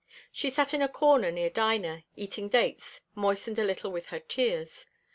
She sat in a corner near Dinah, eating dates, moistened a little with her tears.